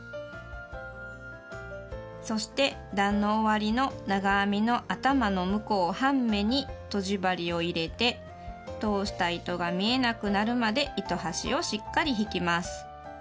そして段の終わりの長編みの頭の向こう半目にとじ針を入れて通した糸が見えなくなるまで糸端をしっかり引きます。